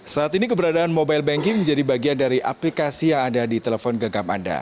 saat ini keberadaan mobile banking menjadi bagian dari aplikasi yang ada di telepon genggam anda